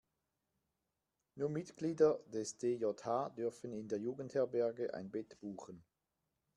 Nur Mitglieder des DJH dürfen in der Jugendherberge ein Bett buchen.